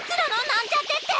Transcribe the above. なんちゃってって。